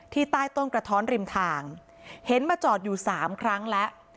ใต้ต้นกระท้อนริมทางเห็นมาจอดอยู่สามครั้งแล้ว